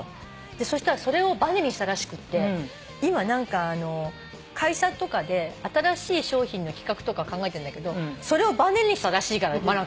そしたらそれをばねにしたらしくって今会社とかで新しい商品の企画とか考えてんだけどそれをばねにしたらしいからね真香も。